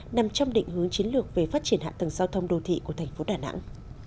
nằm trong định hướng chiến lược về phát triển hạ tầng giao thông đô thị của tp đà nẵng